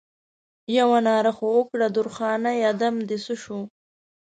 یوه ناره خو وکړه درخانۍ ادم دې څه شو؟